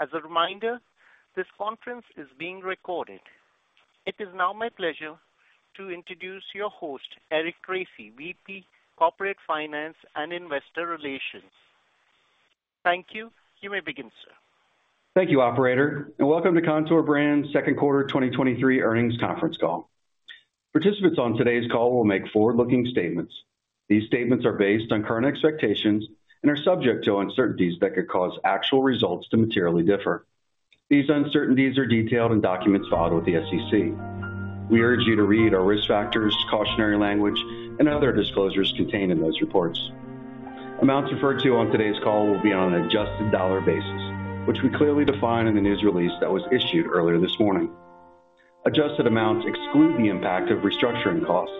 As a reminder, this conference is being recorded. It is now my pleasure to introduce your host, Eric Tracy, VP, Corporate Finance and Investor Relations. Thank you. You may begin, sir. Thank you, operator, and welcome to Kontoor Brands' Q2 2023 earnings conference call. Participants on today's call will make forward-looking statements. These statements are based on current expectations and are subject to uncertainties that could cause actual results to materially differ. These uncertainties are detailed in documents filed with the SEC. We urge you to read our risk factors, cautionary language, and other disclosures contained in those reports. Amounts referred to on today's call will be on an adjusted dollar basis, which we clearly define in the news release that was issued earlier this morning. Adjusted amounts exclude the impact of restructuring costs.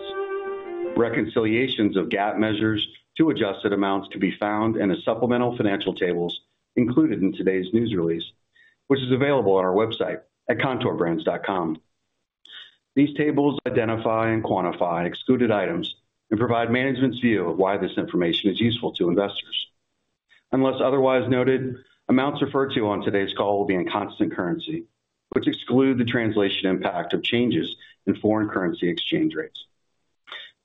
Reconciliations of GAAP measures to adjusted amounts can be found in the supplemental financial tables included in today's news release, which is available on our website at kontoorbrands.com. These tables identify and quantify excluded items and provide management's view of why this information is useful to investors. Unless otherwise noted, amounts referred to on today's call will be in constant currency, which exclude the translation impact of changes in foreign currency exchange rates.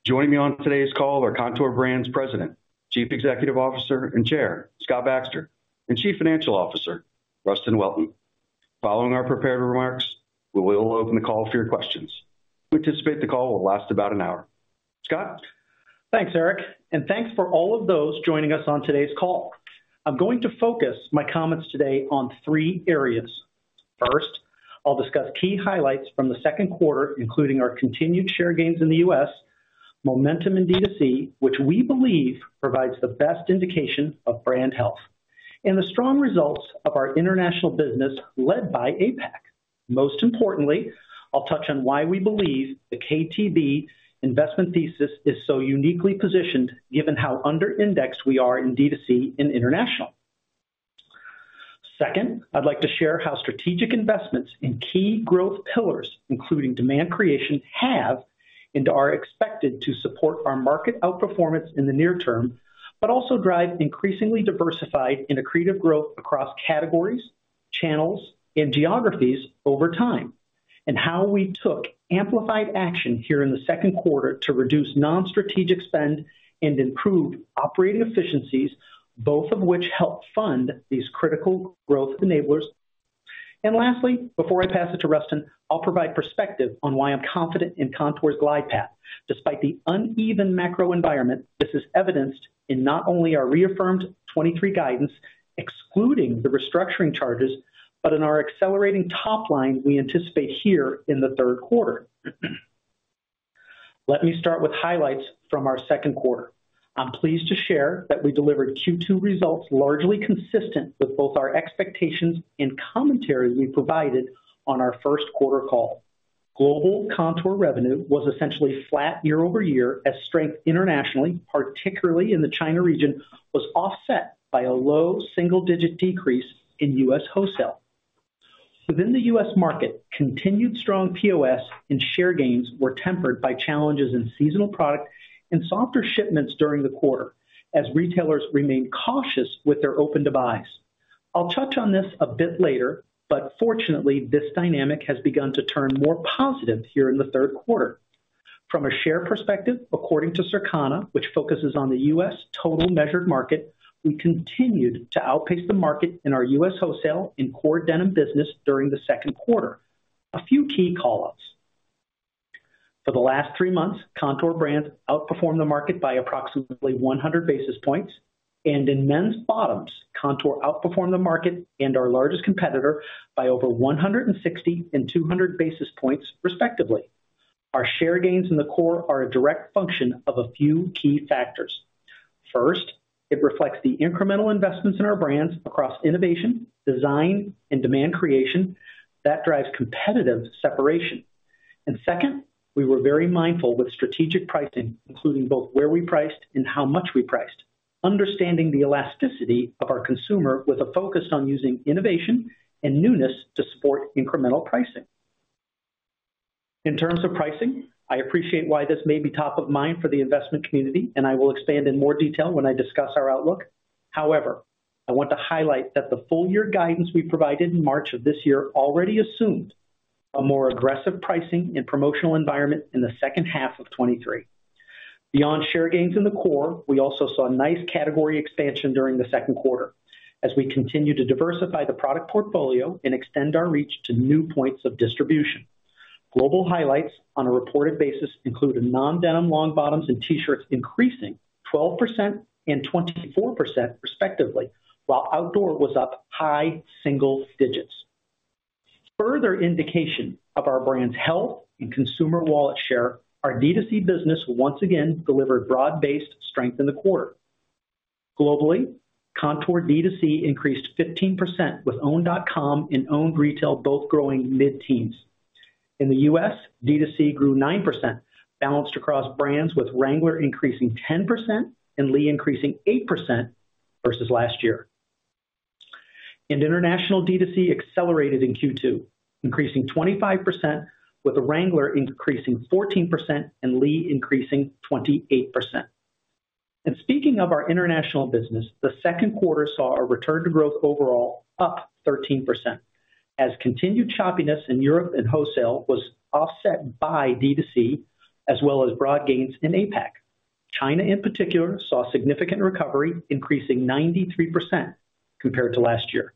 Joining me on today's call are Kontoor Brands' President, Chief Executive Officer, and Chair, Scott Baxter, and Chief Financial Officer, Rustin Welton. Following our prepared remarks, we will open the call for your questions. We anticipate the call will last about an hour. Scott? Thanks, Eric, and thanks for all of those joining us on today's call. I'm going to focus my comments today on three areas. First, I'll discuss key highlights from the Q2, including our continued share gains in the U.S., momentum in D2C, which we believe provides the best indication of brand health, and the strong results of our international business led by APAC. Most importantly, I'll touch on why we believe the KTB investment thesis is so uniquely positioned, given how underindexed we are in D2C and international. Second, I'd like to share how strategic investments in key growth pillars, including demand creation, have and are expected to support our market outperformance in the near term, but also drive increasingly diversified and accretive growth across categories, channels, and geographies over time, and how we took amplified action here in the Q2 to reduce non-strategic spend and improve operating efficiencies, both of which help fund these critical growth enablers. Lastly, before I pass it to Rustin, I'll provide perspective on why I'm confident in Kontoor's glide path. Despite the uneven macro environment, this is evidenced in not only our reaffirmed 23 guidance, excluding the restructuring charges, but in our accelerating top line we anticipate here in the Q3. Let me start with highlights from our Q2. I'm pleased to share that we delivered Q2 results largely consistent with both our expectations and commentary we provided on our Q1 call. Global Kontoor revenue was essentially flat year-over-year, as strength internationally, particularly in the China region, was offset by a low single-digit decrease in U.S. wholesale. Within the U.S. market, continued strong POS and share gains were tempered by challenges in seasonal product and softer shipments during the quarter, as retailers remained cautious with their open to buys. I'll touch on this a bit later. Fortunately, this dynamic has begun to turn more positive here in the Q3. From a share perspective, according to Circana, which focuses on the U.S. total measured market, we continued to outpace the market in our U.S. wholesale and core denim business during the Q2. A few key call-outs. For the last three months, Kontoor Brands outperformed the market by approximately 100 basis points, and in men's bottoms, Kontoor outperformed the market and our largest competitor by over 160 and 200 basis points, respectively. Our share gains in the core are a direct function of a few key factors. First, it reflects the incremental investments in our brands across innovation, design, and demand creation that drives competitive separation. Second, we were very mindful with strategic pricing, including both where we priced and how much we priced, understanding the elasticity of our consumer with a focus on using innovation and newness to support incremental pricing. In terms of pricing, I appreciate why this may be top of mind for the investment community, and I will expand in more detail when I discuss our outlook. However, I want to highlight that the full year guidance we provided in March of this year already assumed a more aggressive pricing and promotional environment in the second half of 2023. Beyond share gains in the core, we also saw a nice category expansion during the Q2 as we continued to diversify the product portfolio and extend our reach to new points of distribution. Global highlights on a reported basis included non-denim, long bottoms and T-shirts increasing 12% and 24% respectively, while outdoor was up high single digits. Further indication of our brand's health and consumer wallet share, our D2C business once again delivered broad-based strength in the quarter. Globally, Kontoor D2C increased 15%, with owned.com and owned retail both growing mid-teens. In the U.S., D2C grew 9%, balanced across brands, with Wrangler increasing 10% and Lee increasing 8% versus last year. International D2C accelerated in Q2, increasing 25%, with Wrangler increasing 14% and Lee increasing 28%. Speaking of our international business, the Q2 saw a return to growth overall, up 13%, as continued choppiness in Europe and wholesale was offset by D2C, as well as broad gains in APAC. China, in particular, saw significant recovery, increasing 93% compared to last year.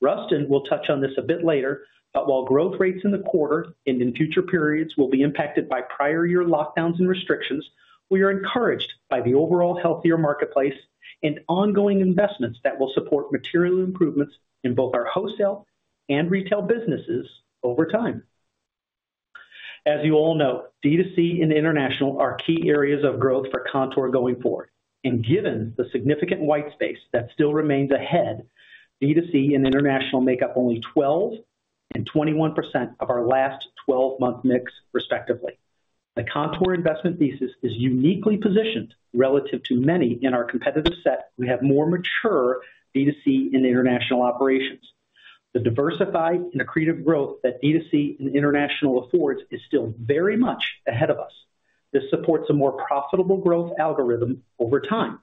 Rustin will touch on this a bit later, but while growth rates in the quarter and in future periods will be impacted by prior year lockdowns and restrictions, we are encouraged by the overall healthier marketplace and ongoing investments that will support material improvements in both our wholesale and retail businesses over time. As you all know, D2C and international are key areas of growth for Kontoor going forward, and given the significant white space that still remains ahead, D2C and international make up only 12% and 21% of our last 12-month mix, respectively. The Kontoor investment thesis is uniquely positioned relative to many in our competitive set. We have more mature D2C and international operations. The diversified and accretive growth that D2C and international affords is still very much ahead of us. This supports a more profitable growth algorithm over time.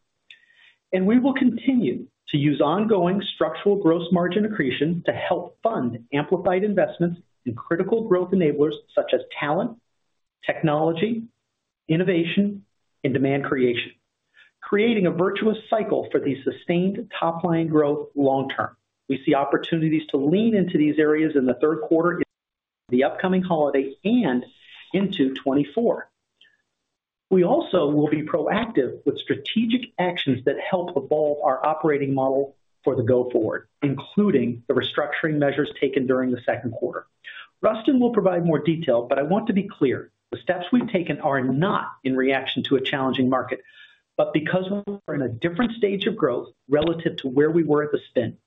We will continue to use ongoing structural gross margin accretion to help fund amplified investments in critical growth enablers such as talent, technology, innovation, and demand creation, creating a virtuous cycle for the sustained top line growth long term. We see opportunities to lean into these areas in the Q3, the upcoming holiday and into 2024. We also will be proactive with strategic actions that help evolve our operating model for the go forward, including the restructuring measures taken during the Q2. Rustin will provide more detail. I want to be clear. The steps we've taken are not in reaction to a challenging market, but because we're in a different stage of growth relative to where we were at the spin.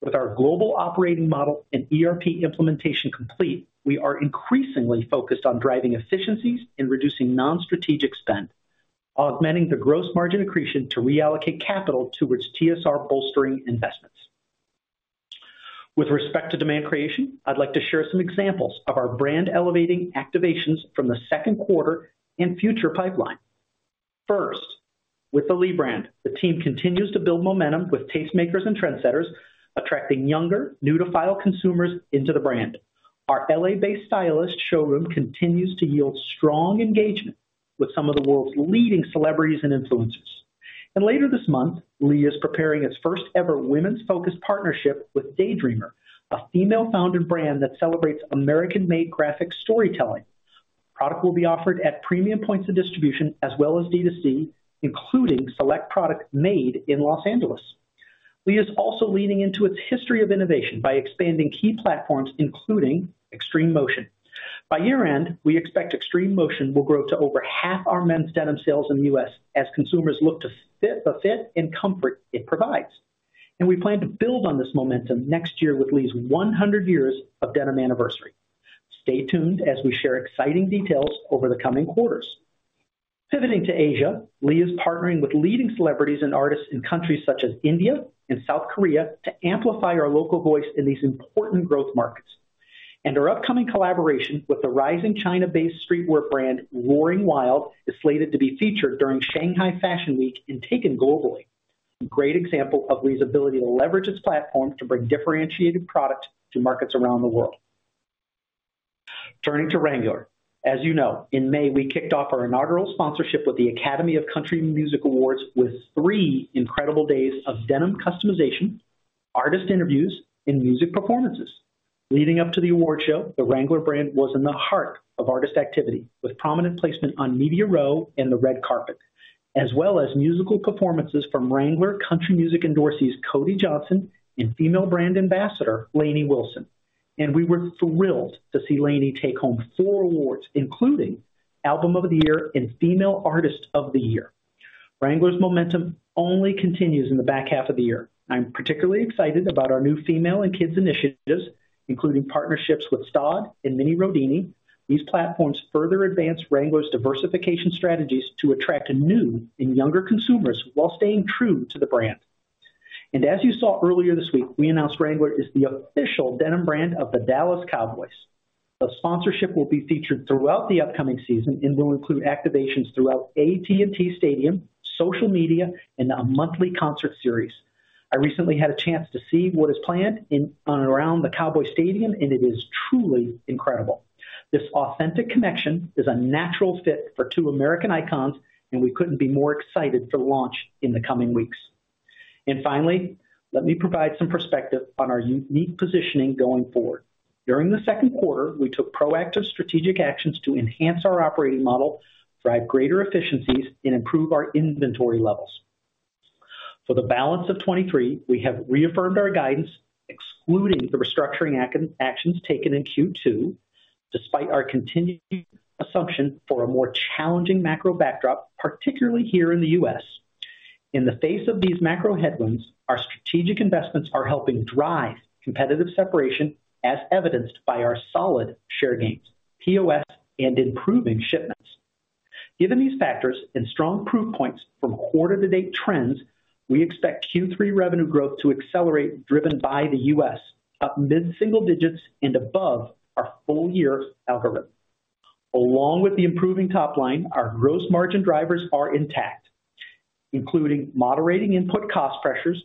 With our global operating model and ERP implementation complete, we are increasingly focused on driving efficiencies and reducing non-strategic spend, augmenting the gross margin accretion to reallocate capital towards TSR bolstering investments. With respect to demand creation, I'd like to share some examples of our brand elevating activations from the Q2 and future pipeline. First, with the Lee brand, the team continues to build momentum with tastemakers and trendsetters, attracting younger, new to file consumers into the brand. Our LA-based stylist showroom continues to yield strong engagement with some of the world's leading celebrities and influencers. Later this month, Lee is preparing its first ever women's focused partnership with Daydreamer, a female-founded brand that celebrates American-made graphic storytelling. Product will be offered at premium points of distribution as well as D2C, including select products made in Los Angeles. Lee is also leaning into its history of innovation by expanding key platforms, including Extreme Motion. By year-end, we expect Extreme Motion will grow to over half our men's denim sales in the U.S. as consumers look to fit, the fit and comfort it provides. We plan to build on this momentum next year with Lee's 100 years of denim anniversary. Stay tuned as we share exciting details over the coming quarters. Pivoting to Asia, Lee is partnering with leading celebrities and artists in countries such as India and South Korea to amplify our local voice in these important growth markets. Our upcoming collaboration with the rising China-based streetwear brand, ROARINGWILD, is slated to be featured during Shanghai Fashion Week and taken globally. A great example of Lee's ability to leverage its platforms to bring differentiated products to markets around the world. Turning to Wrangler. As you know, in May, we kicked off our inaugural sponsorship with the Academy of Country Music Awards, with three incredible days of denim customization, artist interviews, and music performances. Leading up to the award show, the Wrangler brand was in the heart of artist activity, with prominent placement on Media Row and the red carpet, as well as musical performances from Wrangler Country Music endorsees Cody Johnson and female brand ambassador Lainey Wilson. We were thrilled to see Lainey take home 4 awards, including Album of the Year and Female Artist of the Year. Wrangler's momentum only continues in the back half of the year. I'm particularly excited about our new female and kids initiatives, including partnerships with STAUD and Mini Rodini. These platforms further advance Wrangler's diversification strategies to attract new and younger consumers while staying true to the brand. As you saw earlier this week, we announced Wrangler is the official denim brand of the Dallas Cowboys. The sponsorship will be featured throughout the upcoming season and will include activations throughout AT&T Stadium, social media, and a monthly concert series. I recently had a chance to see what is planned in on and around the Cowboy Stadium, and it is truly incredible. This authentic connection is a natural fit for two American icons, and we couldn't be more excited for the launch in the coming weeks. Finally, let me provide some perspective on our unique positioning going forward. During the Q2, we took proactive strategic actions to enhance our operating model, drive greater efficiencies, and improve our inventory levels. For the balance of 2023, we have reaffirmed our guidance, excluding the restructuring actions taken in Q2, despite our continuing assumption for a more challenging macro backdrop, particularly here in the U.S. In the face of these macro headwinds, our strategic investments are helping drive competitive separation, as evidenced by our solid share gains, POS, and improving shipments. Given these factors and strong proof points from quarter-to-date trends, we expect Q3 revenue growth to accelerate, driven by the U.S., up mid-single digits and above our full year algorithm. Along with the improving top line, our gross margin drivers are intact, including moderating input cost pressures,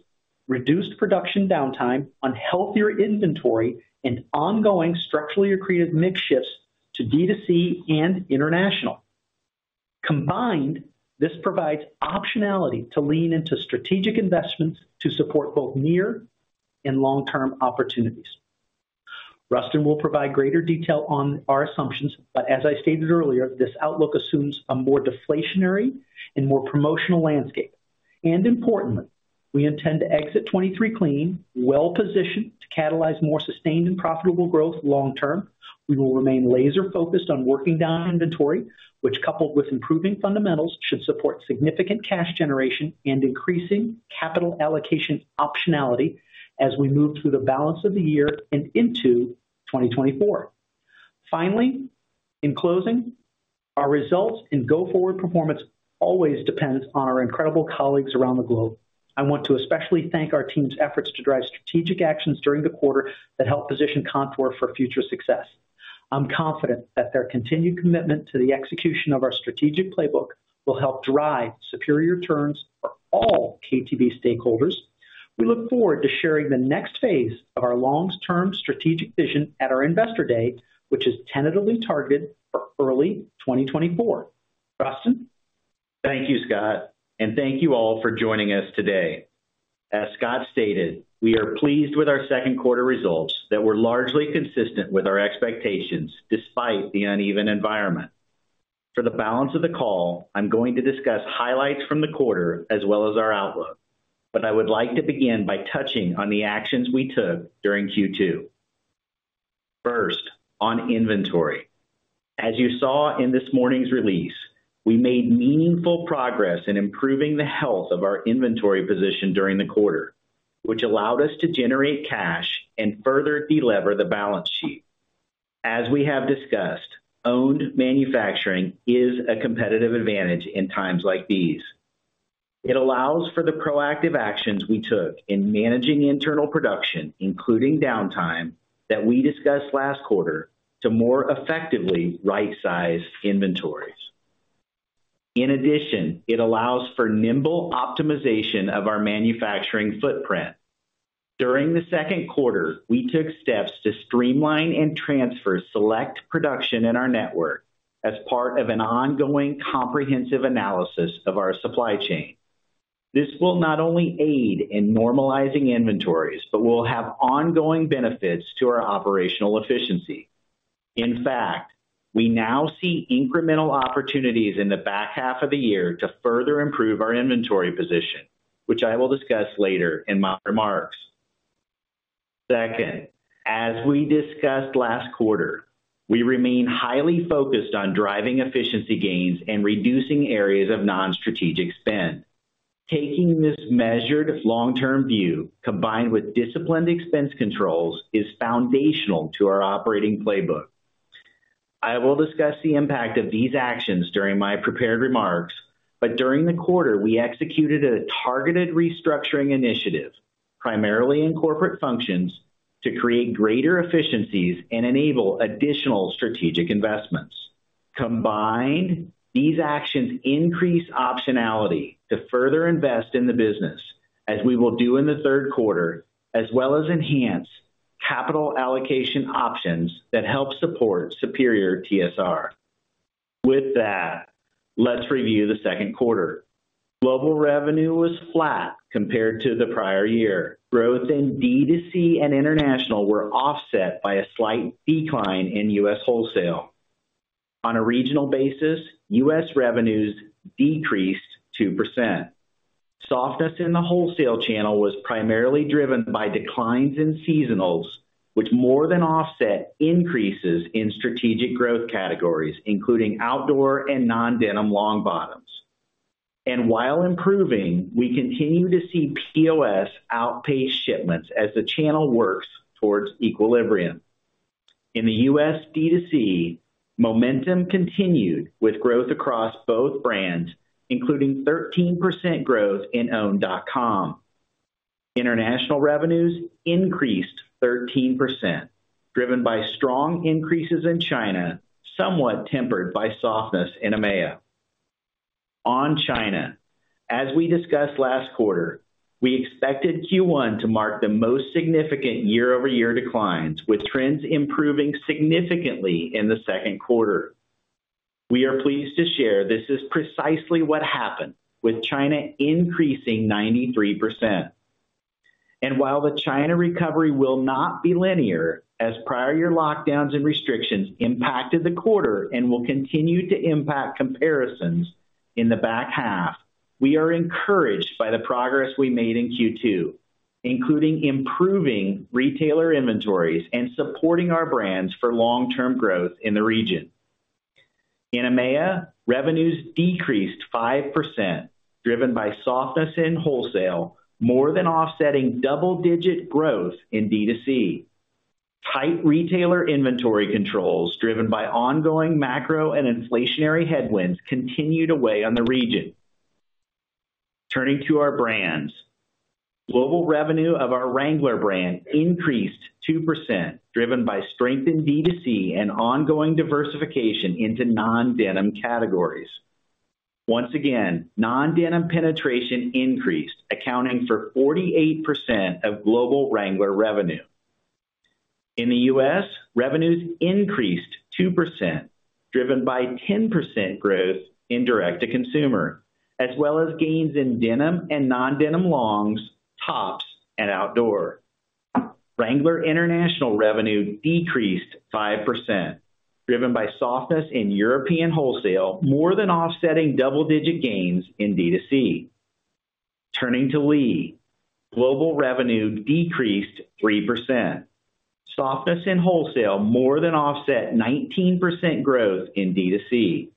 reduced production downtime on healthier inventory, and ongoing structurally accretive mix shifts to D2C and international. Combined, this provides optionality to lean into strategic investments to support both near and long-term opportunities. Rustin will provide greater detail on our assumptions, but as I stated earlier, this outlook assumes a more deflationary and more promotional landscape. Importantly, we intend to exit 2023 clean, well-positioned to catalyze more sustained and profitable growth long term. We will remain laser focused on working down inventory, which, coupled with improving fundamentals, should support significant cash generation and increasing capital allocation optionality as we move through the balance of the year and into 2024. Finally, in closing, our results and go-forward performance always depends on our incredible colleagues around the globe. I want to especially thank our team's efforts to drive strategic actions during the quarter that helped position Kontoor for future success. I'm confident that their continued commitment to the execution of our strategic playbook will help drive superior returns for all KTB stakeholders. We look forward to sharing the next phase of our long-term strategic vision at our Investor Day, which is tentatively targeted for early 2024. Rustin? Thank you, Scott. Thank you all for joining us today. As Scott stated, we are pleased with our Q2 results that were largely consistent with our expectations, despite the uneven environment. For the balance of the call, I'm going to discuss highlights from the quarter as well as our outlook. I would like to begin by touching on the actions we took during Q2. First, on inventory. As you saw in this morning's release, we made meaningful progress in improving the health of our inventory position during the quarter, which allowed us to generate cash and further delever the balance sheet. As we have discussed, owned manufacturing is a competitive advantage in times like these. It allows for the proactive actions we took in managing internal production, including downtime, that we discussed last quarter, to more effectively rightsize inventories. It allows for nimble optimization of our manufacturing footprint. During the Q2, we took steps to streamline and transfer select production in our network as part of an ongoing, comprehensive analysis of our supply chain. This will not only aid in normalizing inventories, but will have ongoing benefits to our operational efficiency. We now see incremental opportunities in the back half of the year to further improve our inventory position, which I will discuss later in my remarks. Second, as we discussed last quarter, we remain highly focused on driving efficiency gains and reducing areas of non-strategic spend. Taking this measured, long-term view, combined with disciplined expense controls, is foundational to our operating playbook. I will discuss the impact of these actions during my prepared remarks, during the quarter, we executed a targeted restructuring initiative, primarily in corporate functions, to create greater efficiencies and enable additional strategic investments. Combined, these actions increase optionality to further invest in the business, as we will do in the Q3, as well as enhance capital allocation options that help support superior TSR. With that, let's review the Q2. Global revenue was flat compared to the prior year. Growth in D2C and international were offset by a slight decline in U.S. wholesale. On a regional basis, U.S. revenues decreased 2%. Softness in the wholesale channel was primarily driven by declines in seasonals, which more than offset increases in strategic growth categories, including outdoor and non-denim long bottoms. While improving, we continue to see POS outpace shipments as the channel works towards equilibrium. In the U.S., D2C momentum continued with growth across both brands, including 13% growth in own.com. International revenues increased 13%, driven by strong increases in China, somewhat tempered by softness in EMEA. On China, as we discussed last quarter, we expected Q1 to mark the most significant year-over-year declines, with trends improving significantly in the Q2. We are pleased to share this is precisely what happened, with China increasing 93%. While the China recovery will not be linear, as prior year lockdowns and restrictions impacted the quarter and will continue to impact comparisons in the back half, we are encouraged by the progress we made in Q2, including improving retailer inventories and supporting our brands for long-term growth in the region. In EMEA, revenues decreased 5%, driven by softness in wholesale, more than offsetting double-digit growth in D2C. Tight retailer inventory controls, driven by ongoing macro and inflationary headwinds, continued to weigh on the region. Turning to our brands. Global revenue of our Wrangler brand increased 2%, driven by strengthened D2C and ongoing diversification into non-denim categories. Once again, non-denim penetration increased, accounting for 48% of global Wrangler revenue. In the U.S., revenues increased 2%, driven by 10% growth in direct-to-consumer, as well as gains in denim and non-denim longs, tops, and outdoor. Wrangler International revenue decreased 5%, driven by softness in European wholesale, more than offsetting double-digit gains in D2C. Turning to Lee. Global revenue decreased 3%. Softness in wholesale more than offset 19% growth in D2C.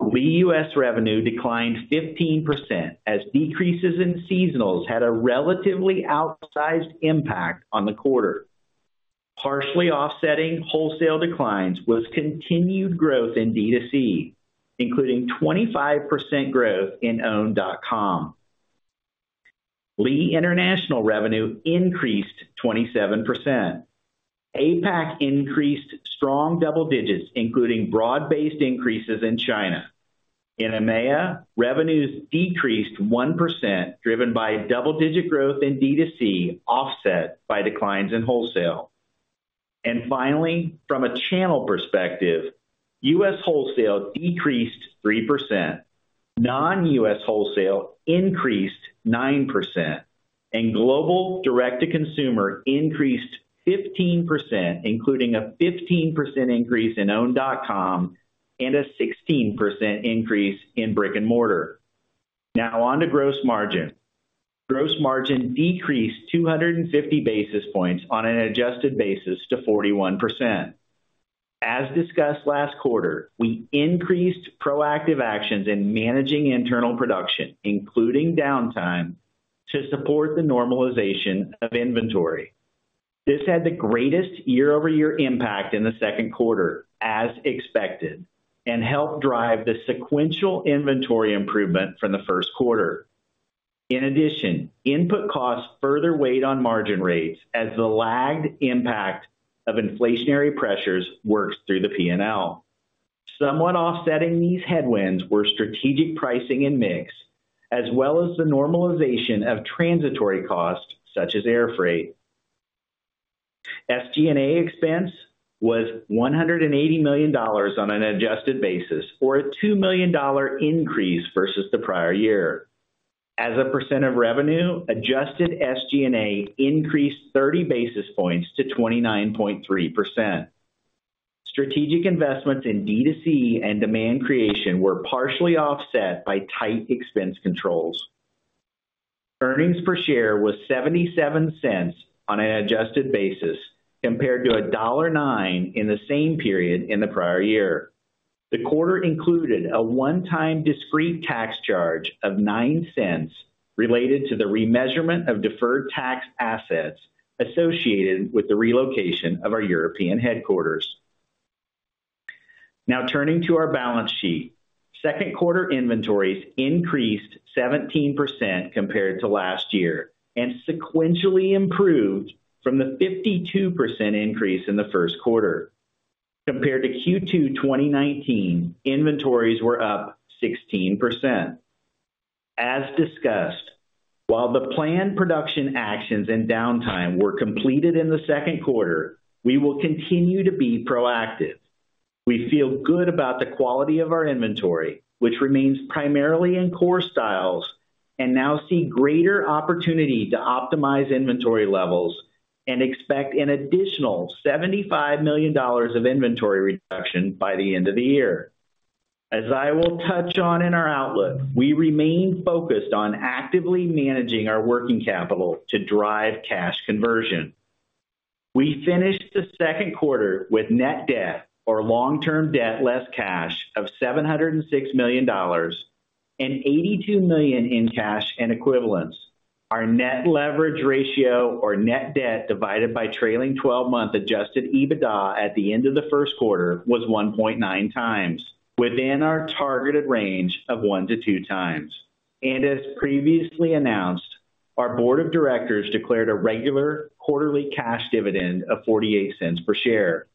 Lee U.S. revenue declined 15%, as decreases in seasonals had a relatively outsized impact on the quarter. Partially offsetting wholesale declines was continued growth in D2C, including 25% growth in own.com. Lee International revenue increased 27%. APAC increased strong double digits, including broad-based increases in China. In EMEA, revenues decreased 1%, driven by double-digit growth in D2C, offset by declines in wholesale. Finally, from a channel perspective, U.S. wholesale decreased 3%, non-U.S. wholesale increased 9%, and global direct-to-consumer increased 15%, including a 15% increase in own.com and a 16% increase in brick and mortar. Now on to gross margin. Gross margin decreased 250 basis points on an adjusted basis to 41%. As discussed last quarter, we increased proactive actions in managing internal production, including downtime, to support the normalization of inventory. This had the greatest year-over-year impact in the Q2, as expected, and helped drive the sequential inventory improvement from the Q1. In addition, input costs further weighed on margin rates as the lagged impact of inflationary pressures works through the PNL. Somewhat offsetting these headwinds were strategic pricing and mix, as well as the normalization of transitory costs, such as air freight. SG&A expense was $180 million on an adjusted basis, or a $2 million increase versus the prior year. As a % of revenue, adjusted SG&A increased 30 basis points to 29.3%. Strategic investments in D2C and demand creation were partially offset by tight expense controls. Earnings per share was $0.77 on an adjusted basis, compared to $1.09 in the same period in the prior year. The quarter included a one-time discrete tax charge of $0.09 related to the remeasurement of deferred tax assets associated with the relocation of our European headquarters. Turning to our balance sheet. Q2 inventories increased 17% compared to last year, sequentially improved from the 52% increase in the Q1. Compared to Q2 2019, inventories were up 16%. As discussed, while the planned production actions and downtime were completed in the Q2, we will continue to be proactive. We feel good about the quality of our inventory, which remains primarily in core styles, now see greater opportunity to optimize inventory levels and expect an additional $75 million of inventory reduction by the end of the year. As I will touch on in our outlook, we remain focused on actively managing our working capital to drive cash conversion. We finished the Q2 with net debt or long-term debt, less cash of $706 million and $82 million in cash and equivalents. Our net leverage ratio or net debt divided by trailing 12-month adjusted EBITDA at the end of the Q1 was 1.9 times, within our targeted range of 1-2 times. As previously announced, our board of directors declared a regular quarterly cash dividend of $0.48 per share.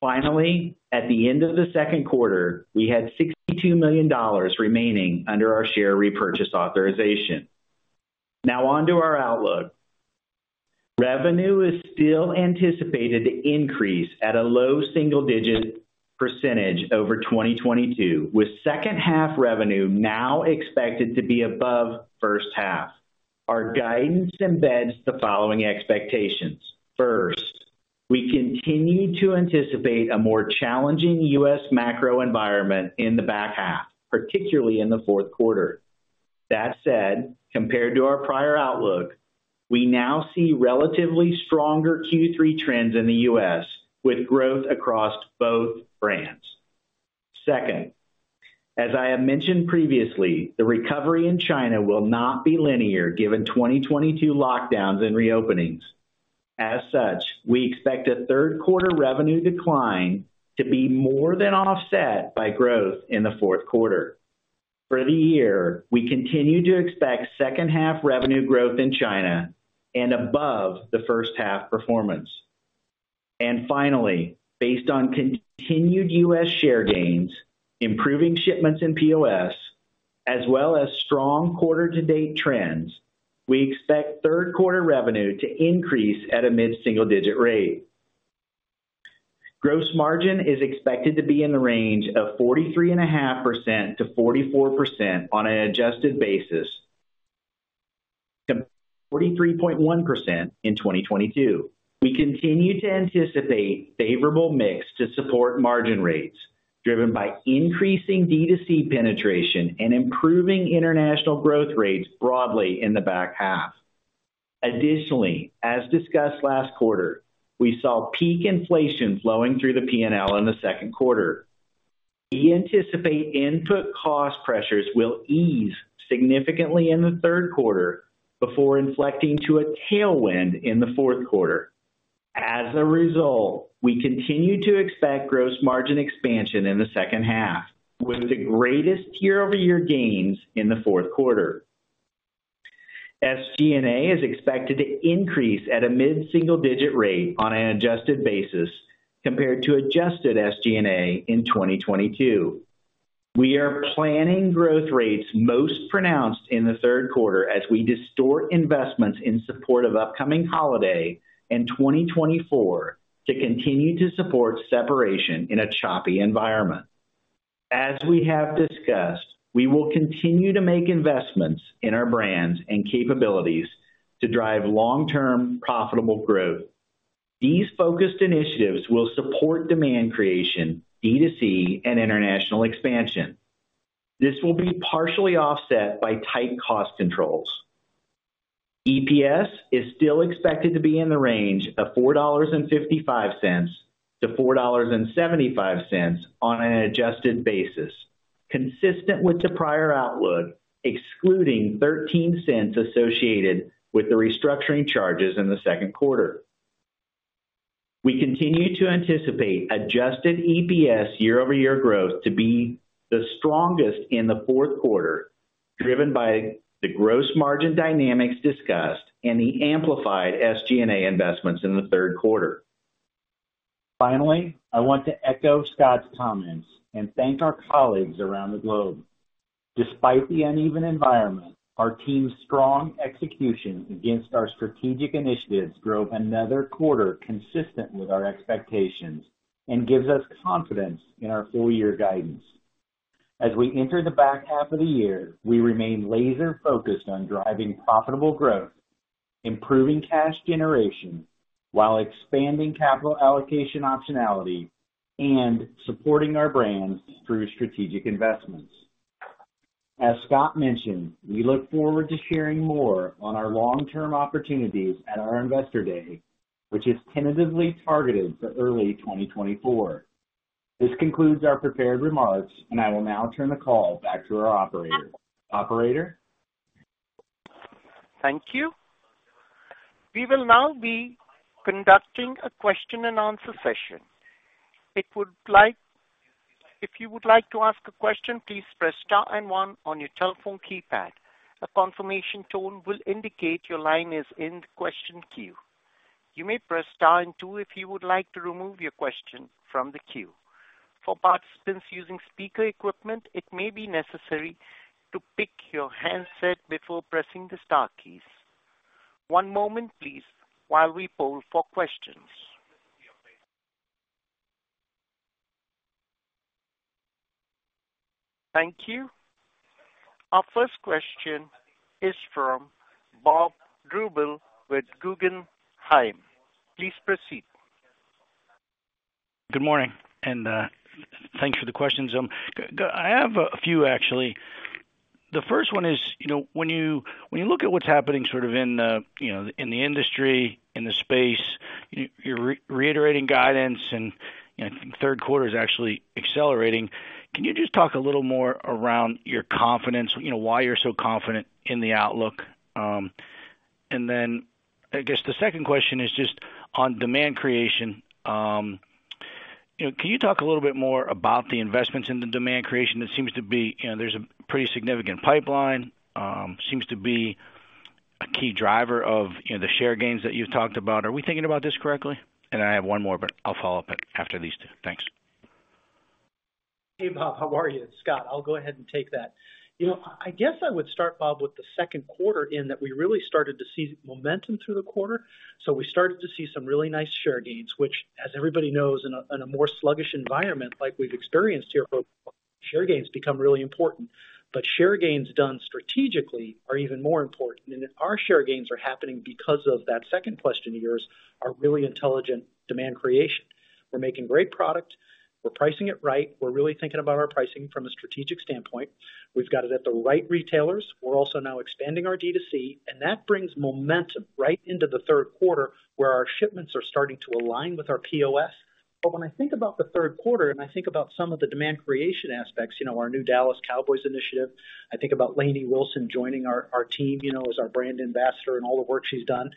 Finally, at the end of the Q2, we had $62 million remaining under our share repurchase authorization. Now on to our outlook. Revenue is still anticipated to increase at a low single-digit % over 2022, with second half revenue now expected to be above first half. Our guidance embeds the following expectations: First, we continue to anticipate a more challenging U.S. macro environment in the back half, particularly in the Q4. That said, compared to our prior outlook, we now see relatively stronger Q3 trends in the U.S., with growth across both brands. Second, as I have mentioned previously, the recovery in China will not be linear given 2022 lockdowns and reopenings. As such, we expect a Q3 revenue decline to be more than offset by growth in the Q4. For the year, we continue to expect second half revenue growth in China and above the first half performance. Finally, based on continued U.S. share gains, improving shipments in POS, as well as strong quarter-to-date trends, we expect Q3 revenue to increase at a mid-single digit rate. Gross margin is expected to be in the range of 43.5%-44% on an adjusted basis, to 43.1% in 2022. We continue to anticipate favorable mix to support margin rates, driven by increasing D2C penetration and improving international growth rates broadly in the back half. Additionally, as discussed last quarter, we saw peak inflation flowing through the PNL in theQ3. We anticipate input cost pressures will ease significantly in the Q3 before inflecting to a tailwind in the Q4. As a result, we continue to expect gross margin expansion in the second half, with the greatest year-over-year gains in the Q4. SG&A is expected to increase at a mid-single digit rate on an adjusted basis compared to adjusted SG&A in 2022. We are planning growth rates most pronounced in the Q3 as we distort investments in support of upcoming holiday and 2024 to continue to support separation in a choppy environment. As we have discussed, we will continue to make investments in our brands and capabilities to drive long-term profitable growth. These focused initiatives will support demand creation, D2C, and international expansion. This will be partially offset by tight cost controls. EPS is still expected to be in the range of $4.55-$4.75 on an adjusted basis, consistent with the prior outlook, excluding $0.13 associated with the restructuring charges in the Q2. We continue to anticipate adjusted EPS year-over-year growth to be the strongest in the Q4, driven by the gross margin dynamics discussed and the amplified SG&A investments in the Q3. Finally, I want to echo Scott's comments and thank our colleagues around the globe. Despite the uneven environment, our team's strong execution against our strategic initiatives drove another quarter consistent with our expectations and gives us confidence in our full year guidance. As we enter the back half of the year, we remain laser focused on driving profitable growth, improving cash generation, while expanding capital allocation optionality and supporting our brands through strategic investments. As Scott mentioned, we look forward to sharing more on our long-term opportunities at our Investor Day, which is tentatively targeted for early 2024. This concludes our prepared remarks, and I will now turn the call back to our operator. Operator? Thank you. We will now be conducting a question and answer session. If you would like to ask a question, please press star and one on your telephone keypad. A confirmation tone will indicate your line is in the question queue. You may press star and two if you would like to remove your question from the queue. For participants using speaker equipment, it may be necessary to pick your handset before pressing the star keys. One moment please, while we poll for questions. Thank you. Our first question is from Bob Drbul with Guggenheim. Please proceed. Good morning, and thanks for the questions. I have a few, actually. The first one is, you know, when you, when you look at what's happening sort of in the, you know, in the industry, in the space, you're re-reiterating guidance and, you know, Q3 is actually accelerating. Can you just talk a little more around your confidence? You know, why you're so confident in the outlook? Then I guess the second question is just on demand creation. You know, can you talk a little bit more about the investments in the demand creation? That seems to be, you know, there's a pretty significant pipeline, seems to be a key driver of, you know, the share gains that you've talked about. Are we thinking about this correctly? I have one more, but I'll follow up after these two. Thanks. Hey, Bob, how are you? It's Scott. I'll go ahead and take that. You know, I guess I would start, Bob, with the Q2, in that we really started to see momentum through the quarter. We started to see some really nice share gains, which, as everybody knows, in a, in a more sluggish environment like we've experienced here, for share gains become really important. Share gains done strategically are even more important. Our share gains are happening because of that second question of yours, are really intelligent demand creation. We're making great product. We're pricing it right. We're really thinking about our pricing from a strategic standpoint. We've got it at the right retailers. We're also now expanding our D2C, and that brings momentum right into the Q3, where our shipments are starting to align with our POS.... When I think about the Q3, and I think about some of the demand creation aspects, you know, our new Dallas Cowboys initiative, I think about Lainey Wilson joining our, our team, you know, as our brand ambassador and all the work she's done,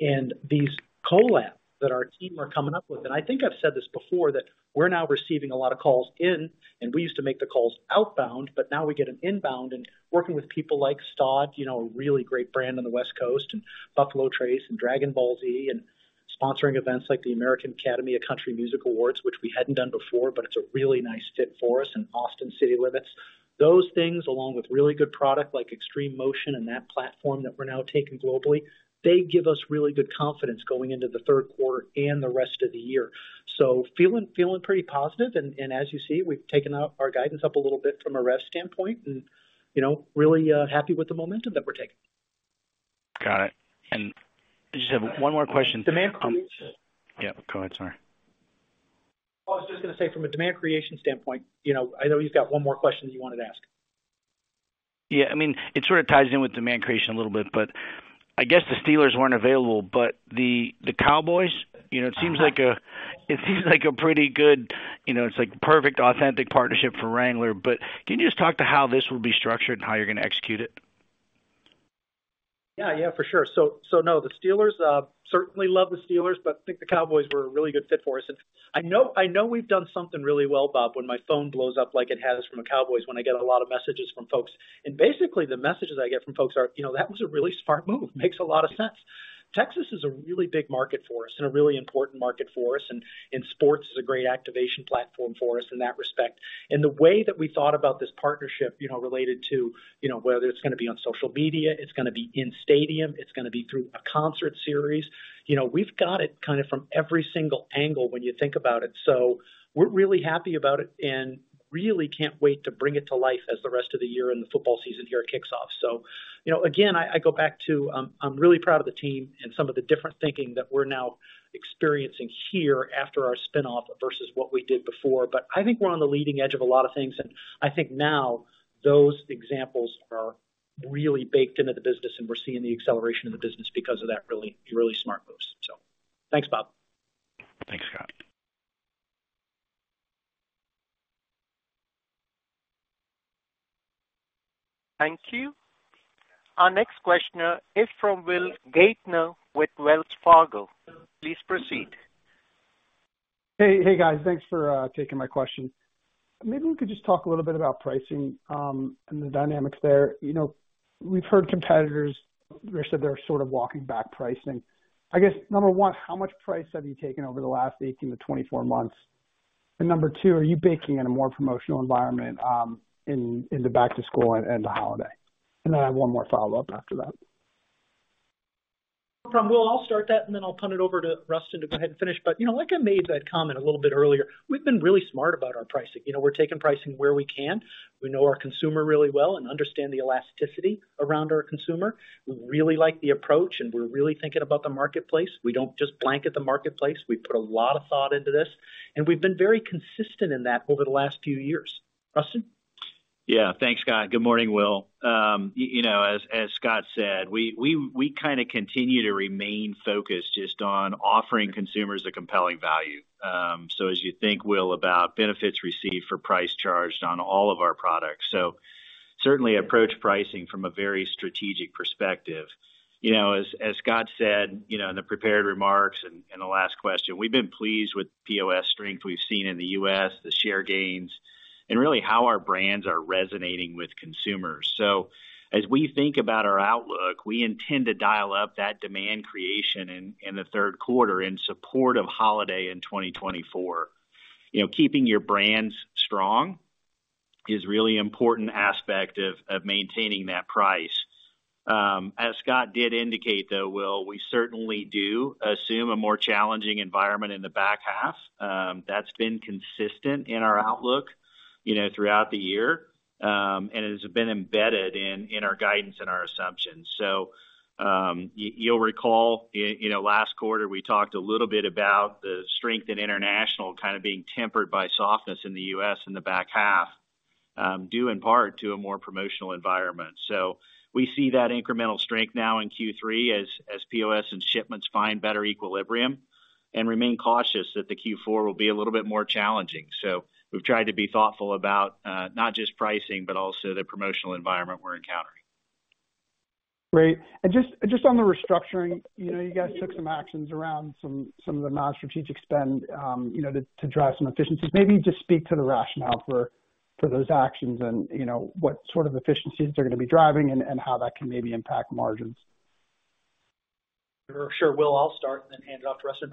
and these collabs that our team are coming up with. I think I've said this before, that we're now receiving a lot of calls in, and we used to make the calls outbound, but now we get an inbound and working with people like STAUD, you know, a really great brand on the West Coast, and Buffalo Trace, and Dragon Ball Z, and sponsoring events like the Academy of Country Music Awards, which we hadn't done before, but it's a really nice fit for us, and Austin City Limits. Those things, along with really good product like Extreme Motion and that platform that we're now taking globally, they give us really good confidence going into the Q3 and the rest of the year. Feeling, feeling pretty positive. As you see, we've taken up our guidance up a little bit from a rev standpoint and, you know, really, happy with the momentum that we're taking. Got it. I just have one more question- Demand creation. Yeah, go ahead. Sorry. I was just gonna say, from a demand creation standpoint, you know, I know you've got one more question you wanted to ask. Yeah, I mean, it sort of ties in with demand creation a little bit, but I guess the Steelers weren't available, but the, the Cowboys, you know, it seems like it seems like a pretty good, you know, it's like perfect, authentic partnership for Wrangler. Can you just talk to how this will be structured and how you're gonna execute it? Yeah. Yeah, for sure. So no, the Steelers certainly love the Steelers, but I think the Cowboys were a really good fit for us. I know, I know we've done something really well, Bob, when my phone blows up like it has from the Cowboys, when I get a lot of messages from folks. Basically, the messages I get from folks are: "You know, that was a really smart move. Makes a lot of sense." Texas is a really big market for us and a really important market for us, and sports is a great activation platform for us in that respect. The way that we thought about this partnership, you know, related to, you know, whether it's gonna be on social media, it's gonna be in stadium, it's gonna be through a concert series. You know, we've got it kind of from every single angle when you think about it. We're really happy about it and really can't wait to bring it to life as the rest of the year and the football season here kicks off. You know, again, I, I go back to, I'm really proud of the team and some of the different thinking that we're now experiencing here after our spinoff versus what we did before. I think we're on the leading edge of a lot of things, and I think now those examples are really baked into the business, and we're seeing the acceleration of the business because of that really, really smart moves. Thanks, Bob. Thanks, Scott. Thank you. Our next questioner is from Will Gaertner, with Wells Fargo. Please proceed. Hey, hey, guys. Thanks for taking my question. Maybe we could just talk a little bit about pricing, and the dynamics there. You know, we've heard competitors, they said they're sort of walking back pricing. I guess, number one, how much price have you taken over the last 18-24 months? Number two, are you baking in a more promotional environment, in, in the back to school and the holiday? I have 1 more follow-up after that. From Will, I'll start that, and then I'll turn it over to Rustin to go ahead and finish. You know, like I made that comment a little bit earlier, we've been really smart about our pricing. You know, we're taking pricing where we can. We know our consumer really well and understand the elasticity around our consumer. We really like the approach, and we're really thinking about the marketplace. We don't just blanket the marketplace. We put a lot of thought into this, and we've been very consistent in that over the last few years. Rustin? Yeah. Thanks, Scott. Good morning, Will. Y- you know, as, as Scott said, we, we, we kinda continue to remain focused just on offering consumers a compelling value. As you think, Will, about benefits received for price charged on all of our products, certainly approach pricing from a very strategic perspective. As, as Scott said, you know, in the prepared remarks and, and the last question, we've been pleased with POS strength we've seen in the U.S., the share gains, and really how our brands are resonating with consumers. As we think about our outlook, we intend to dial up that demand creation in, in the Q3 in support of holiday in 2024. Keeping your brands strong is really important aspect of, of maintaining that price. As Scott did indicate, though, Will, we certainly do assume a more challenging environment in the back half. That's been consistent in our outlook, you know, throughout the year, and it has been embedded in, in our guidance and our assumptions. You'll recall, you know, last quarter, we talked a little bit about the strength in international kind of being tempered by softness in the U.S. in the back half, due in part to a more promotional environment. We see that incremental strength now in Q3 as, as POS and shipments find better equilibrium and remain cautious that the Q4 will be a little bit more challenging. We've tried to be thoughtful about, not just pricing, but also the promotional environment we're encountering. Great. Just, just on the restructuring, you know, you guys took some actions around some, some of the non-strategic spend, you know, to, to drive some efficiencies. Maybe just speak to the rationale for, for those actions and, you know, what sort of efficiencies they're gonna be driving and, and how that can maybe impact margins. Sure. Will, I'll start and then hand it off to Rustin.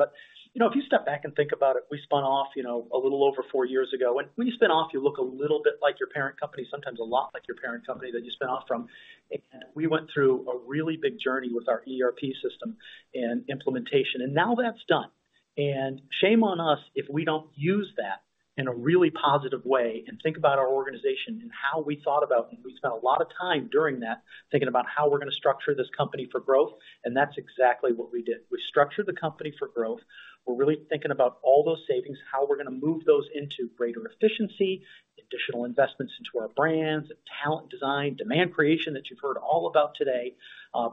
You know, if you step back and think about it, we spun off, you know, a little over four years ago, and when you spin off, you look a little bit like your parent company, sometimes a lot like your parent company that you spun off from. We went through a really big journey with our ERP system and implementation, and now that's done. Shame on us if we don't use that in a really positive way and think about our organization and how we thought about... We spent a lot of time during that, thinking about how we're gonna structure this company for growth, and that's exactly what we did. We structured the company for growth. We're really thinking about all those savings, how we're gonna move those into greater efficiency, additional investments into our brands and talent, design, demand creation that you've heard all about today,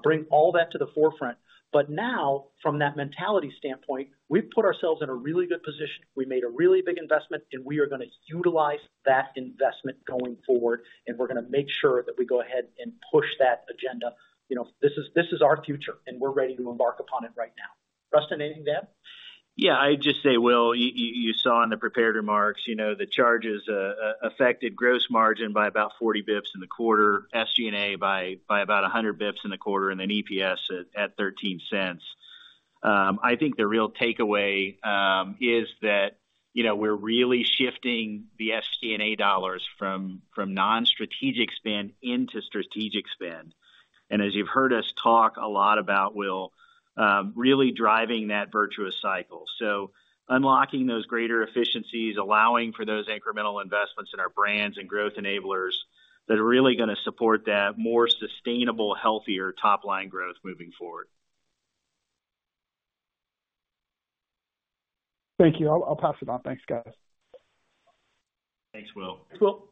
bring all that to the forefront. But now, from that mentality standpoint, we've put ourselves in a really good position. We made a really big investment, and we are gonna utilize that investment going forward, and we're gonna make sure that we go ahead and push that agenda. You know, this is, this is our future, and we're ready to embark upon it right now. Rustin, anything to add? Yeah, I'd just say, Will, you saw in the prepared remarks, you know, the charges affected gross margin by about 40 basis points in the quarter, SG&A by, by about 100 basis points in the quarter, and then EPS at $0.13. I think the real takeaway is that, you know, we're really shifting the SG&A dollars from, from non-strategic spend into strategic spend. As you've heard us talk a lot about, Will, really driving that virtuous cycle. Unlocking those greater efficiencies, allowing for those incremental investments in our brands and growth enablers, that are really gonna support that more sustainable, healthier top-line growth moving forward. Thank you. I'll, I'll pass it on. Thanks, guys. Thanks, Will. Thanks, Will.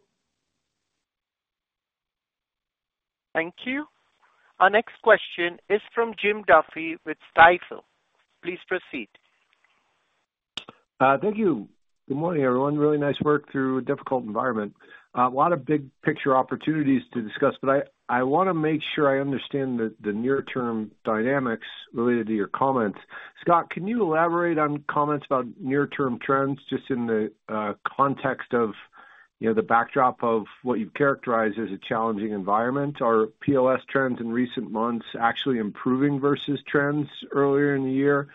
Thank you. Our next question is from Jim Duffy with Stifel. Please proceed. Thank you. Good morning, everyone. Really nice work through a difficult environment. A lot of big picture opportunities to discuss, but I, I wanna make sure I understand the, the near-term dynamics related to your comments. Scott, can you elaborate on comments about near-term trends, just in the context of, you know, the backdrop of what you've characterized as a challenging environment? Are POS trends in recent months actually improving versus trends earlier in the year?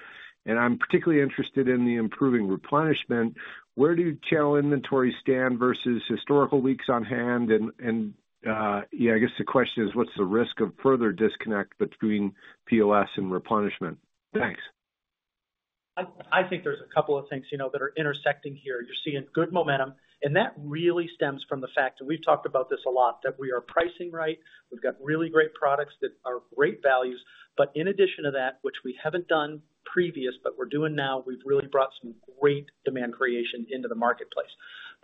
I'm particularly interested in the improving replenishment. Where do channel inventory stand versus historical weeks on hand? I guess the question is: What's the risk of further disconnect between POS and replenishment? Thanks. I, I think there's a couple of things, you know, that are intersecting here. You're seeing good momentum, that really stems from the fact, and we've talked about this a lot, that we are pricing right. We've got really great products that are great values. In addition to that, which we haven't done previous, but we're doing now, we've really brought some great demand creation into the marketplace.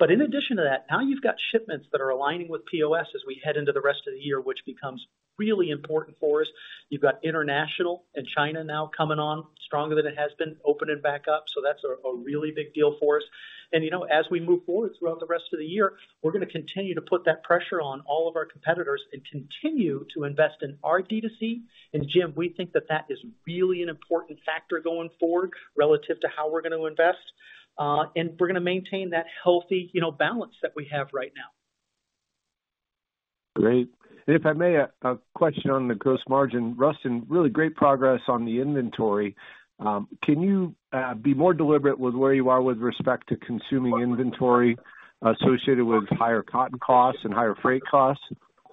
In addition to that, now you've got shipments that are aligning with POS as we head into the rest of the year, which becomes really important for us. You've got international and China now coming on stronger than it has been, opening back up, that's a, a really big deal for us. You know, as we move forward throughout the rest of the year, we're gonna continue to put that pressure on all of our competitors and continue to invest in our D2C. Jim, we think that that is really an important factor going forward relative to how we're gonna invest, and we're gonna maintain that healthy, you know, balance that we have right now. Great. If I may, a question on the gross margin. Rustin, really great progress on the inventory. Can you be more deliberate with where you are with respect to consuming inventory associated with higher cotton costs and higher freight costs?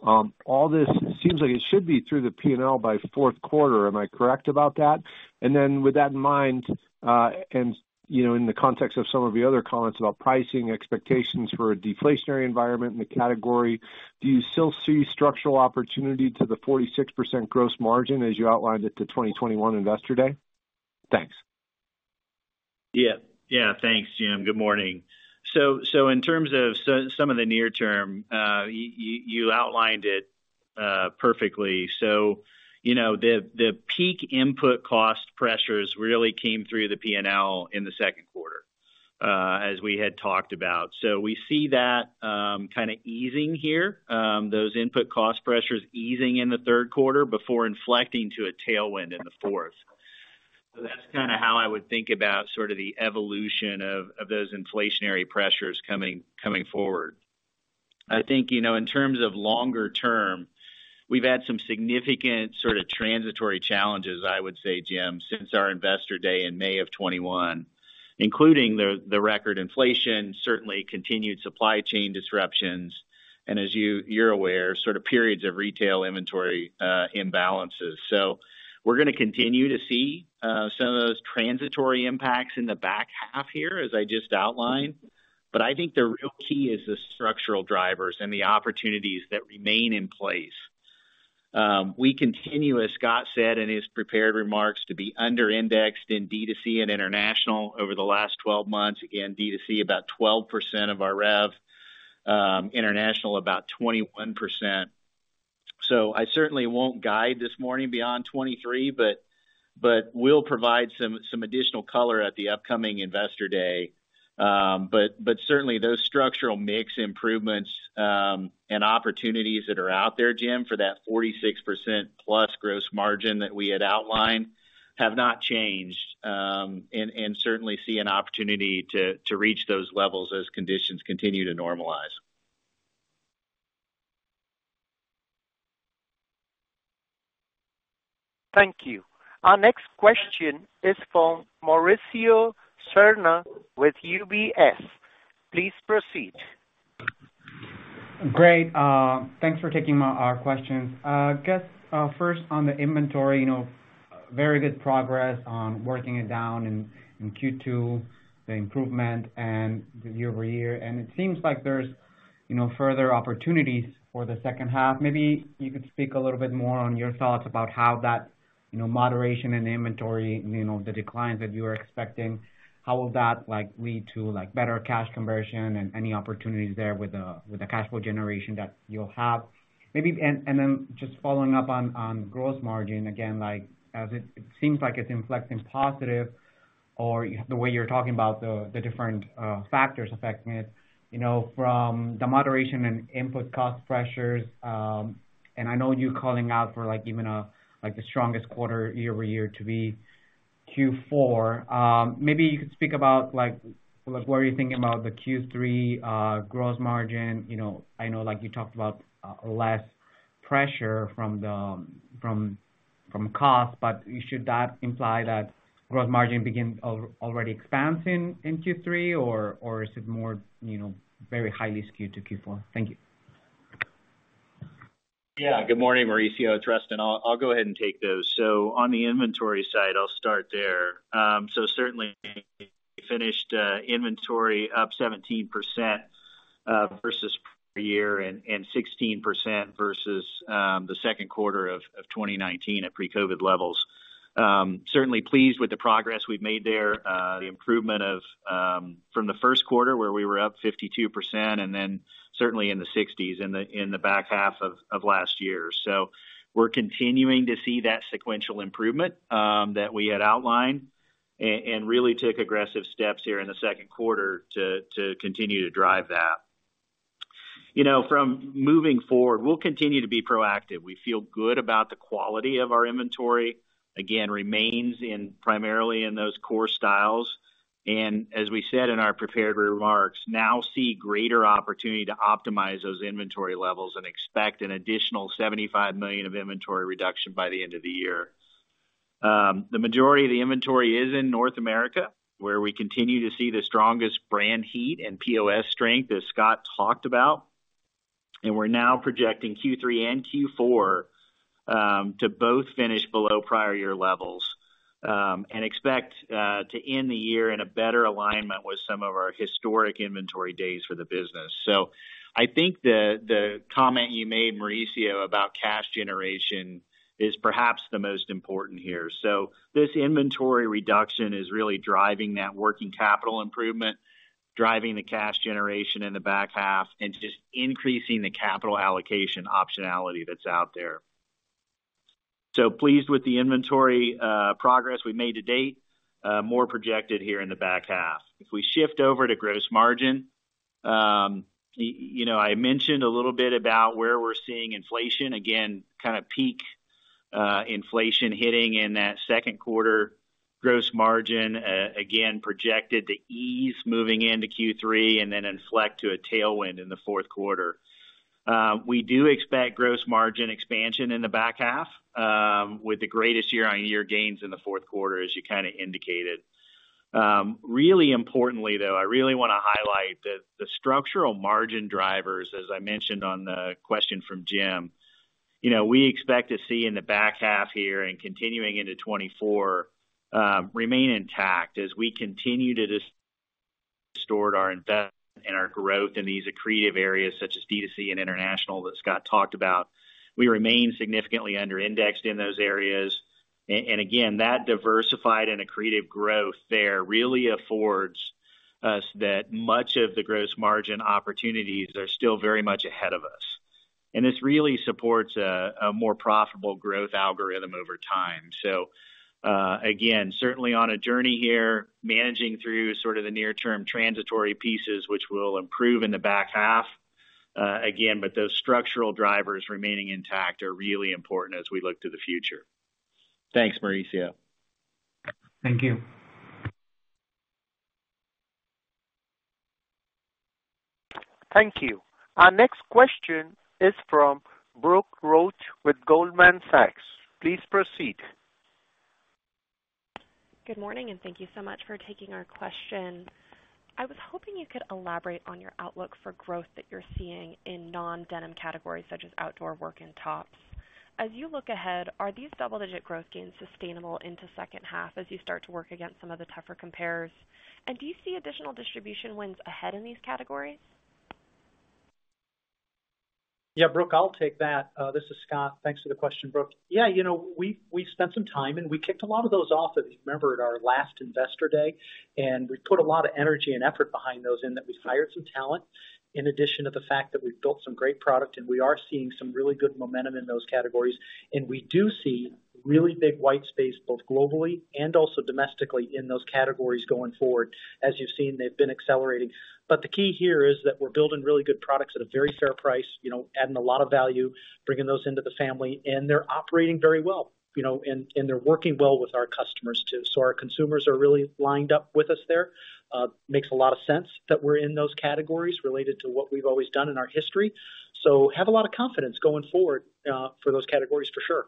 All this seems like it should be through the P&L by Q4. Am I correct about that? With that in mind, and, you know, in the context of some of the other comments about pricing expectations for a deflationary environment in the category, do you still see structural opportunity to the 46% gross margin as you outlined it to 2021 Investor Day? Thanks. Yeah. Yeah, thanks, Jim. Good morning. In terms of some of the near term, you, you outlined it perfectly. You know, the, the peak input cost pressures really came through the P&L in the Q2, as we had talked about. We see that, kinda easing here, those input cost pressures easing in the Q3 before inflecting to a tailwind in the fourth. That's kinda how I would think about sort of the evolution of, of those inflationary pressures coming, coming forward. I think, you know, in terms of longer term, we've had some significant sort of transitory challenges, I would say, Jim, since our Investor Day in May of 2021, including the, the record inflation, certainly continued supply chain disruptions, and as you're aware, sort of periods of retail inventory, imbalances. We're gonna continue to see some of those transitory impacts in the back half here, as I just outlined. I think the real key is the structural drivers and the opportunities that remain in place. We continue, as Scott said in his prepared remarks, to be under indexed in D2C and international over the last 12 months. Again, D2C, about 12% of our rev, international, about 21%. I certainly won't guide this morning beyond 2023, but we'll provide some additional color at the upcoming Investor Day. Certainly those structural mix improvements and opportunities that are out there, Jim, for that 46% plus gross margin that we had outlined, have not changed, and certainly see an opportunity to reach those levels as conditions continue to normalize. Thank you. Our next question is from Mauricio Serna with UBS. Please proceed. Great. Thanks for taking my-- our questions. I guess, first on the inventory, you know, very good progress on working it down in, in Q2, the improvement and the year-over-year. It seems like there's, you know, further opportunities for the second half. Maybe you could speak a little bit more on your thoughts about how that, you know, moderation in inventory, you know, the declines that you are expecting, how will that, like, lead to, like, better cash conversion and any opportunities there with the, with the cash flow generation that you'll have? Maybe... Then just following up on, on gross margin, again, like, as it, it seems like it's inflecting positive or the way you're talking about the different factors affecting it, you know, from the moderation in input cost pressures, and I know you're calling out for, like, even a, like, the strongest quarter year-over-year to be Q4, maybe you could speak about, like, like, what are you thinking about the Q3 gross margin? You know, I know, like, you talked about less pressure from the, from, from cost, but should that imply that gross margin begins already expanding in Q3, or, or is it more, you know, very highly skewed to Q4? Thank you. Yeah. Good morning, Mauricio, it's Rustin. I'll go ahead and take those. On the inventory side, I'll start there. Certainly, finished inventory up 17% versus prior year and 16% versus the Q2 of 2019 at pre-COVID levels. Certainly pleased with the progress we've made there. The improvement from the Q1, where we were up 52%, and then certainly in the 60s in the back half of last year. We're continuing to see that sequential improvement that we had outlined and really took aggressive steps here in the Q2 to continue to drive that. You know, from moving forward, we'll continue to be proactive. We feel good about the quality of our inventory. Remains in, primarily in those core styles, and as we said in our prepared remarks, now see greater opportunity to optimize those inventory levels and expect an additional $75 million of inventory reduction by the end of the year. The majority of the inventory is in North America, where we continue to see the strongest brand heat and POS strength that Scott talked about. We're now projecting Q3 and Q4 to both finish below prior year levels and expect to end the year in a better alignment with some of our historic inventory days for the business. I think the, the comment you made, Mauricio, about cash generation is perhaps the most important here. This inventory reduction is really driving that working capital improvement, driving the cash generation in the back half, and just increasing the capital allocation optionality that's out there. Pleased with the inventory, progress we made to date, more projected here in the back half. We shift over to gross margin, you know, I mentioned a little bit about where we're seeing inflation. Again, kinda peak inflation hitting in that Q2. Gross margin, again, projected to ease moving into Q3, and then inflect to a tailwind in the Q4. We do expect gross margin expansion in the back half, with the greatest year-on-year gains in the Q4, as you kinda indicated. Really importantly, though, I really wanna highlight that the structural margin drivers, as I mentioned on the question from Jim, you know, we expect to see in the back half here and continuing into 2024, remain intact as we continue to restored our investment and our growth in these accretive areas such as D2C and international that Scott talked about. We remain significantly under-indexed in those areas. And again, that diversified and accretive growth there really affords us that much of the gross margin opportunities are still very much ahead of us. This really supports a more profitable growth algorithm over time. Again, certainly on a journey here, managing through sort of the near term transitory pieces, which will improve in the back half, again, but those structural drivers remaining intact are really important as we look to the future. Thanks, Mauricio. Thank you. Thank you. Our next question is from Brooke Roach with Goldman Sachs. Please proceed. Good morning, and thank you so much for taking our question. I was hoping you could elaborate on your outlook for growth that you're seeing in non-denim categories, such as outdoor work and tops. As you look ahead, are these double-digit growth gains sustainable into second half as you start to work against some of the tougher compares? Do you see additional distribution wins ahead in these categories? Yeah, Brooke, I'll take that. This is Scott. Thanks for the question, Brooke. Yeah, you know, we've, we've spent some time. We kicked a lot of those off, if you remember, at our last Investor Day. We put a lot of energy and effort behind those. That we've hired some talent, in addition to the fact that we've built some great product. We are seeing some really good momentum in those categories. We do see really big white space, both globally and also domestically in those categories going forward. As you've seen, they've been accelerating. The key here is that we're building really good products at a very fair price, you know, adding a lot of value, bringing those into the family. They're operating very well, you know, and they're working well with our customers, too. Our consumers are really lined up with us there. Makes a lot of sense that we're in those categories related to what we've always done in our history. Have a lot of confidence going forward, for those categories, for sure.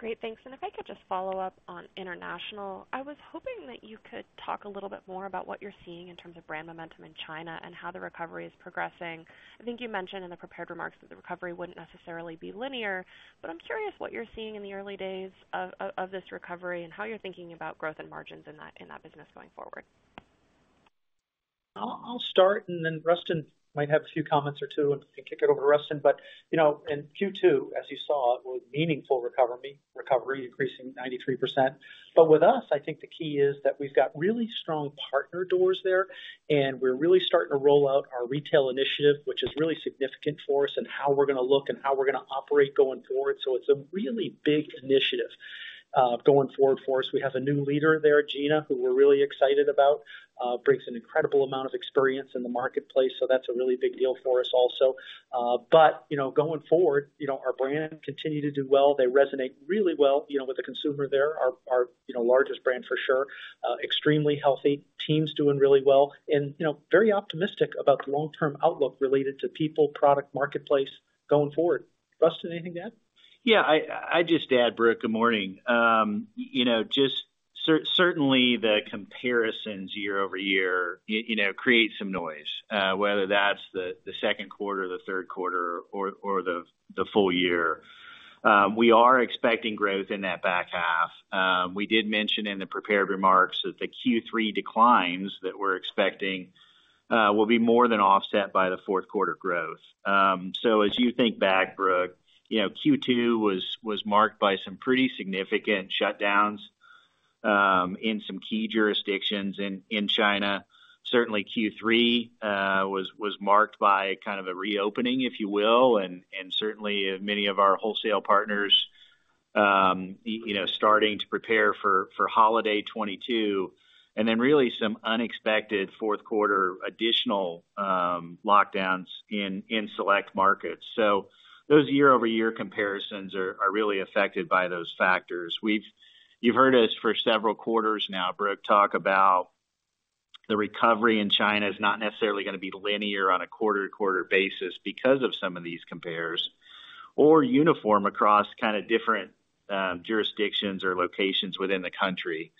Great, thanks. If I could just follow up on international. I was hoping that you could talk a little bit more about what you're seeing in terms of brand momentum in China and how the recovery is progressing. I think you mentioned in the prepared remarks that the recovery wouldn't necessarily be linear, but I'm curious what you're seeing in the early days of this recovery and how you're thinking about growth and margins in that business going forward. I'll, I'll start, and then Rustin might have a few comments or two, and I can kick it over to Rustin. You know, in Q2, as you saw, it was meaningful recovery, recovery increasing 93%. With us, I think the key is that we've got really strong partner doors there, and we're really starting to roll out our retail initiative, which is really significant for us and how we're gonna look and how we're gonna operate going forward. It's a really big initiative. Going forward for us. We have a new leader there, Gina, who we're really excited about. Brings an incredible amount of experience in the marketplace, so that's a really big deal for us also. You know, going forward, you know, our brand continue to do well. They resonate really well, you know, with the consumer there. Our, our, you know, largest brand for sure, extremely healthy, team's doing really well. You know, very optimistic about the long-term outlook related to people, product, marketplace, going forward. Rustin, anything to add? Yeah, I, I'd just add, Brooke. Good morning. You know, just certainly the comparisons year-over-year, you know, create some noise, whether that's the Q2 or the Q3 or the full year. We are expecting growth in that back half. We did mention in the prepared remarks that the Q3 declines that we're expecting, will be more than offset by theQ4 growth. As you think back, Brooke, you know, Q2 was marked by some pretty significant shutdowns, in some key jurisdictions in China. Certainly, Q3 was marked by kind of a reopening, if you will, and certainly many of our wholesale partners, you know, starting to prepare for holiday 2022, and then really some unexpected Q4 additional lockdowns in select markets. Those year-over-year comparisons are really affected by those factors. You've heard us for several quarters now, Brooke, talk about the recovery in China is not necessarily gonna be linear on a quarter-to-quarter basis because of some of these compares, or uniform across kinda different jurisdictions or locations within the country.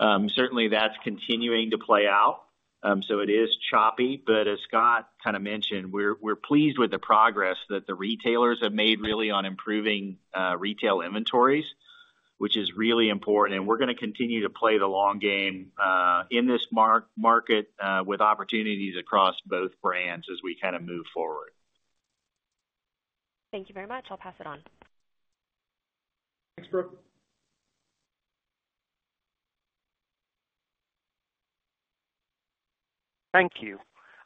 Certainly, that's continuing to play out. So it is choppy, but as Scott kinda mentioned, we're pleased with the progress that the retailers have made really on improving retail inventories, which is really important. We're gonna continue to play the long game in this market with opportunities across both brands as we kinda move forward. Thank you very much. I'll pass it on. Thanks, Brooke. Thank you.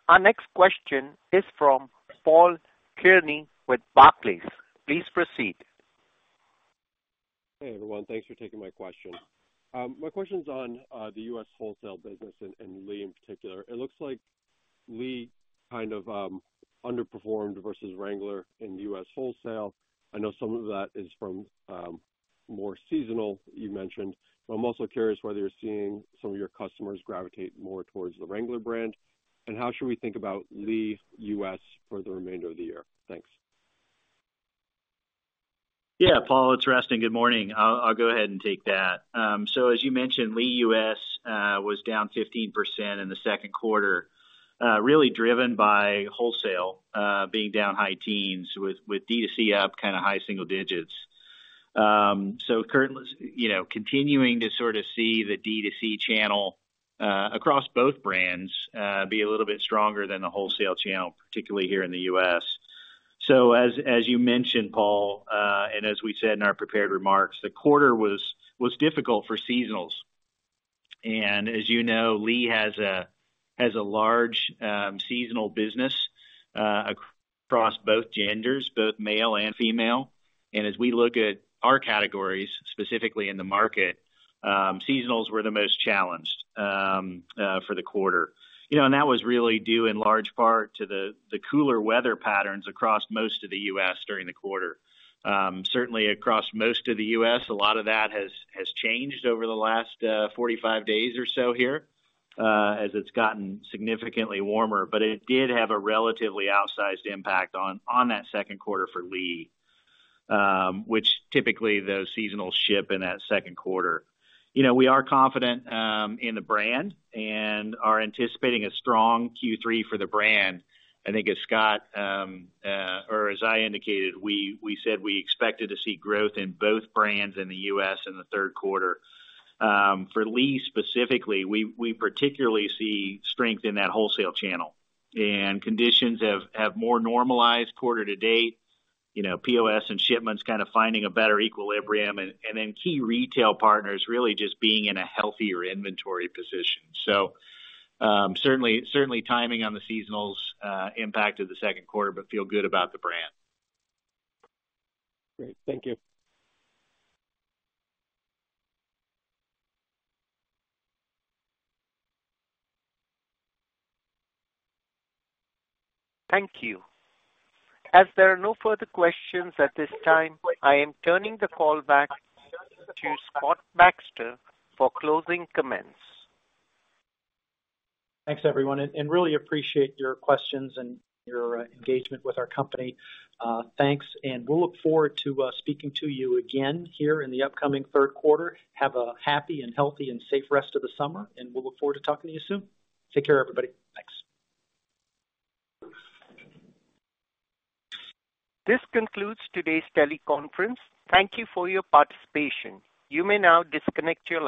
Our next question is from Paul Kearney with Barclays. Please proceed. Hey, everyone. Thanks for taking my question. My question's on the U.S. wholesale business, and Lee in particular. It looks like Lee kind of underperformed versus Wrangler in U.S. wholesale. I know some of that is from more seasonal, you mentioned, but I'm also curious whether you're seeing some of your customers gravitate more towards the Wrangler brand, and how should we think about Lee U.S. for the remainder of the year? Thanks. Yeah. Paul, it's Rustin. Good morning. I'll, I'll go ahead and take that. As you mentioned, Lee U.S. was down 15% in the Q2, really driven by wholesale being down high teens, with, with D2C up kinda high single digits. Currently, you know, continuing to sorta see the D2C channel across both brands be a little bit stronger than the wholesale channel, particularly here in the U.S. As, as you mentioned, Paul, and as we said in our prepared remarks, the quarter was, was difficult for seasonals. As you know, Lee has a, has a large seasonal business across both genders, both male and female. As we look at our categories, specifically in the market, seasonals were the most challenged for the quarter. You know, that was really due in large part to the cooler weather patterns across most of the U.S. during the quarter. Certainly across most of the U.S., a lot of that has changed over the last 45 days or so here as it's gotten significantly warmer. It did have a relatively outsized impact on that Q2 for Lee, which typically those seasonals ship in that Q2. You know, we are confident in the brand and are anticipating a strong Q3 for the brand. I think as Scott or as I indicated, we said we expected to see growth in both brands in the U.S. in the Q3. For Lee specifically, we, we particularly see strength in that wholesale channel. Conditions have, have more normalized quarter to date, you know, POS and shipments kinda finding a better equilibrium, and then key retail partners really just being in a healthier inventory position. Certainly, certainly timing on the seasonals impacted the Q2. Feel good about the brand. Great. Thank you. Thank you. As there are no further questions at this time, I am turning the call back to Scott Baxter for closing comments. Thanks, everyone, and, and really appreciate your questions and your engagement with our company. Thanks, and we'll look forward to speaking to you again here in the upcoming Q3. Have a happy and healthy and safe rest of the summer, and we'll look forward to talking to you soon. Take care, everybody. Thanks. This concludes today's teleconference. Thank you for your participation. You may now disconnect your lines.